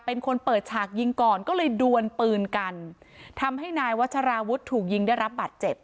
เป็นคนเปิดฉากยิงก่อนก็เลยดวนปืนกันทำให้นายวัชราวุฒิถูกยิงได้รับบาดเจ็บ